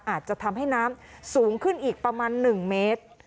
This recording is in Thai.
อาจจะทำให้น้ำสูงขึ้นอีกประมาณ๑เมตร